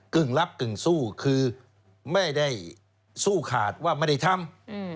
ึ่งลับกึ่งสู้คือไม่ได้สู้ขาดว่าไม่ได้ทำ